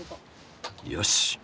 よし！